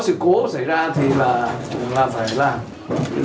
sự cố xảy ra thì là phải làm